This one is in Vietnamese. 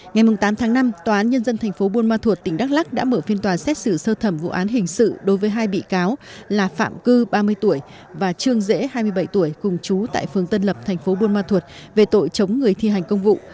ngày tám tháng năm tòa án nhân dân thành phố buôn ma thuột tỉnh đắk lắc đã mở phiên tòa xét xử sơ thẩm vụ án hình sự đối với hai bị cáo là phạm cư ba mươi tuổi và trương dễ hai mươi bảy tuổi cùng chú tại phường tân lập thành phố buôn ma thuột về tội chống người thi hành công vụ